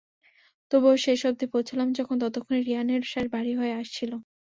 তবুও শেষ অবধি পৌঁছালাম যখন, ততক্ষণে রিহানের শ্বাস ভারী হয়ে আসছিল।